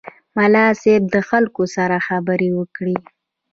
ملا صیب د خلکو سره خبرې وکړې.